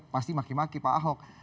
pasti maki maki pak ahok